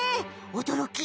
おどろき。